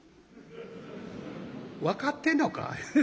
「分かってんのか？」。